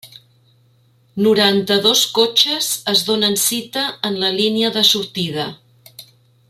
Noranta i dos cotxes es donen cita en la línia de sortida.